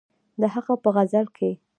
د هغه په غزل کښې